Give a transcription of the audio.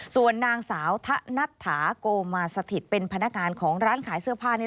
ส่วนนางสาวทะนัทถาโกมาสถิตเป็นพนักงานของร้านขายเสื้อผ้า